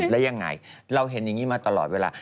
แล้วยังไงเราเห็นอย่างนี้มาตลอดเวลา